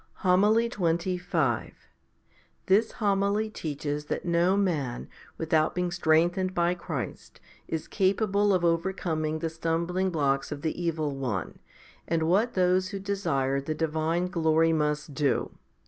HOMILY XXV This Homily teaches that no man, without being strengthened by Christ, is capable of overcoming the stumbling blocks of the evil one, and what those who desire the divine glory must do.